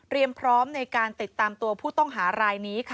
เรียมพร้อมในการติดตามตัวผู้ต้องหารายนี้